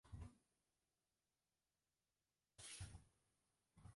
侧花沙蓬是苋科沙蓬属的植物。